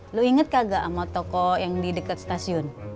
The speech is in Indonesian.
lu inget kagak sama toko yang di deket stasiun